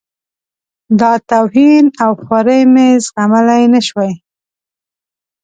دا توهین او خواري مې زغملای نه شوای.